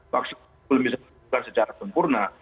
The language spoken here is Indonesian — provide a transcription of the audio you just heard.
vaksin itu belum bisa dikeluarkan secara sempurna